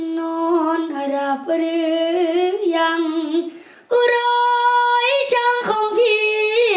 นอนรับหรือยังรอยช้างของพี่